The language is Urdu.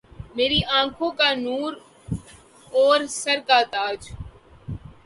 میری آنکهون کا نور أور سر کا تاج